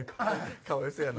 かわいそうやな。